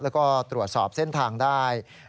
แล้วก็ตรวจสอบเส้นทางได้